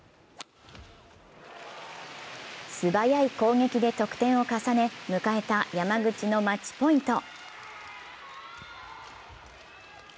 素早い攻撃で得点を重ね、迎えた山口のマッチポイント。